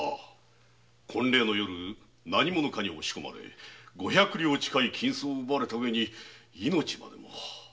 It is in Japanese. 婚礼の夜何者かに押し込まれ五百両近い金子を奪われたうえに命までも。